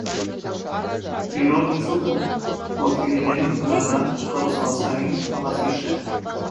Պիրոլ միջուկը պորֆիրինների հիմնական կառուցվածքային բաղադրիչն է։